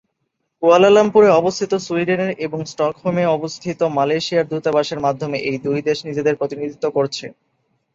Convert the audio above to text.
কুয়ালালামপুরে অবস্থিত সুইডেনের এবং স্টকহোমে অবস্থিত মালয়েশিয়ার দূতাবাসের মাধ্যমে এ দুই দেশ নিজেদের প্রতিনিধিত্ব করছে।